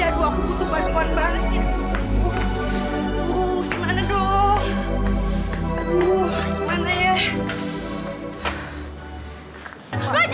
aduh aku butuh bantuan banget ya